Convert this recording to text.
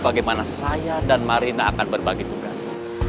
bagaimana saya dan marina akan berbagi tugas